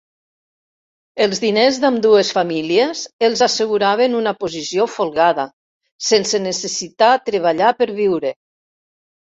Els diners d'ambdues famílies els asseguraven una posició folgada, sense necessitar treballar per viure.